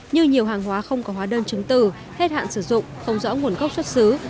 như nhiều hàng hóa không có hóa đơn chứng tử hết hạn sử dụng không rõ nguồn gốc xuất xứ